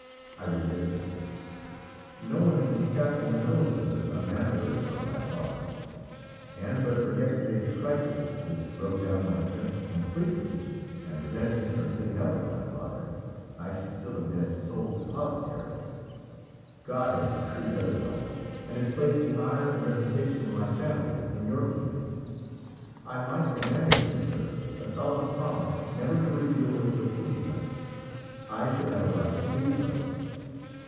I resisted. No one in this castle knows of the somnambulism of my father, and but for yesterday's crisis, which broke down my strength completely and prevented me from sitting up with my father, I should still have been its sole depositary. God has decreed otherwise, and has placed the honour and reputation of my family in your keeping. I might demand of you, sir, a solemn promise never to reveal what you have seen to night. I should have a right to do so."